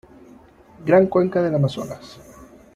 Gran Cuenca del Amazonas.